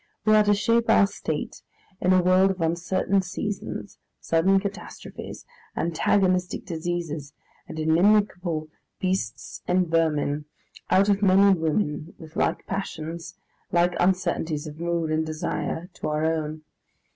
We are to shape our state in a world of uncertain seasons, sudden catastrophes, antagonistic diseases, and inimical beasts and vermin, out of men and women with like passions, like uncertainties of mood and desire to our own.